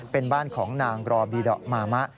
เป็นบ้านของนางรอบีดอกมามะ